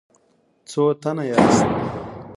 څو تنه یاست؟